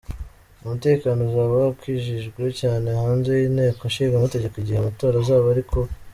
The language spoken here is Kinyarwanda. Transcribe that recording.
Umutekano uzaba wakajijwe cyane hanze y'inteko ishinga amategeko igihe amatora azaba ari kuba.